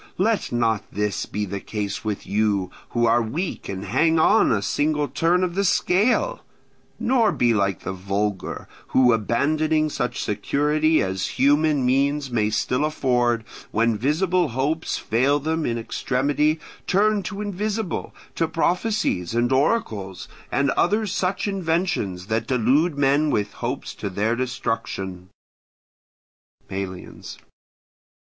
Let not this be the case with you, who are weak and hang on a single turn of the scale; nor be like the vulgar, who, abandoning such security as human means may still afford, when visible hopes fail them in extremity, turn to invisible, to prophecies and oracles, and other such inventions that delude men with hopes to their destruction. Melians.